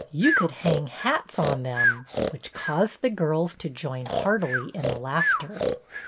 You could hang hats on them," which caused the girls to join heartily in the laughter.